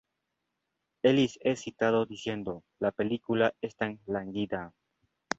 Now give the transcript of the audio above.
Luego ingresó a cursar pedagogía en el Instituto Pedagógico de la Universidad de Chile.